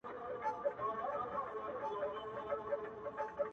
د شپې ویښ په ورځ ویده نه په کارېږي!